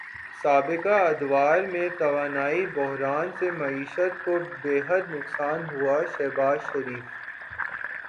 سابقہ ادوار میں توانائی بحران سے معیشت کو بیحد نقصان ہوا شہباز شریف